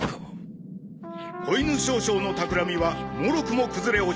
小犬少将のたくらみはもろくも崩れ落ちた。